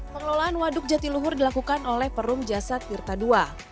pengelolaan waduk jatiluhur dilakukan oleh perum jasad tirta ii